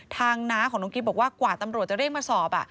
น้าของน้องกิ๊บบอกว่ากว่าตำรวจจะเรียกมาสอบ